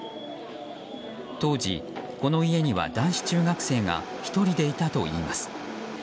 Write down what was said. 当時、この家には男子中学生が１人でいたといいます。